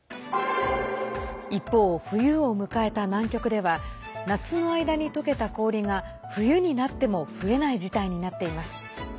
一方、冬を迎えた南極では夏の間にとけた氷が冬になっても増えない事態になっています。